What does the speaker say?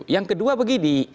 yang kedua begini